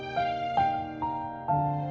masa itu udah berakhir